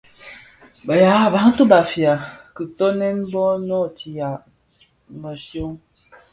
Bë yaa Bantu (Bafia) dhinkonèn bō noo nootia mëshyom.